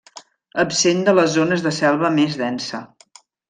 Absent de les zones de selva més densa.